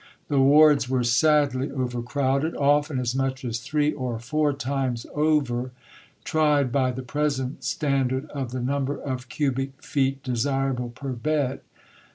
The wards were sadly overcrowded, often as much as three or four times over, tried by the present standard of the number of cubic feet desirable per bed.